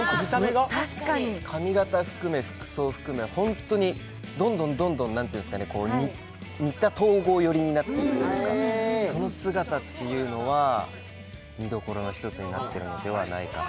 髪形含め、服装含め、本当にどんどん新田東郷寄りになっていくというかその姿というのは見どころの一つになっているのではないかと。